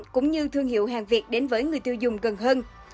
cũng như thương hiệu hàng việt đến với người tiêu dùng gần hơn